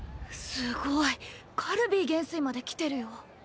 すごいカルヴィ元帥まで来てるよ。